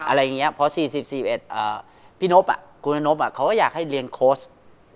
อะไรอย่างนี้เพราะ๔๔๑๑พี่นพอ่ะคุณนพอ่ะเขาก็อยากให้เรียนโค้ช